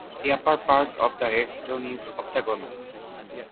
The upper part of the headstone is octagonal.